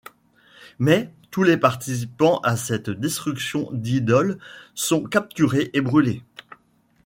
Mais tous les participants à cette destruction d'idoles sont capturés et brûlés.